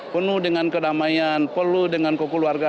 penuh dengan kedamaian penuh dengan kekeluarga